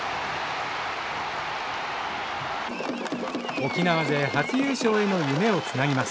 沖縄勢初優勝への夢をつなぎます。